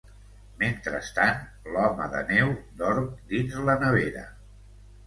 Mentrestant, l'home de neu dorm dins la nevera.